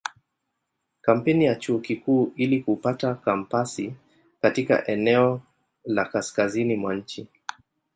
Kampeni ya Chuo Kikuu ili kupata kampasi katika eneo la kaskazini mwa nchi.